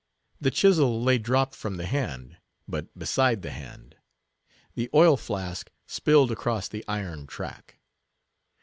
The chisel lay dropped from the hand, but beside the hand; the oil flask spilled across the iron track.